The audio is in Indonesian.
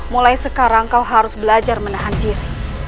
mulai sekarang kau harus belajar menahan diri